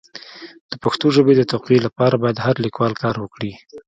د پښتو ژبي د تقويي لپاره باید هر لیکوال کار وکړي.